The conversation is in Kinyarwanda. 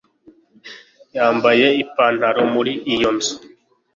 Yambara ipantaro muri iyo nzu